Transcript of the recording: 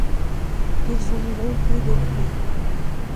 Ils ont rompu depuis.